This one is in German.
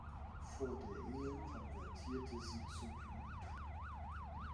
Vor der Ehe konvertierte sie zum Judentum.